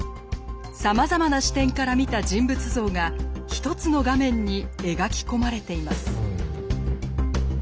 さまざまな視点から見た人物像が一つの画面に描き込まれています。